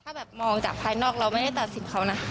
ถ้าแบบมองจากภายนอกเราไม่ได้ตัดสินเขานะ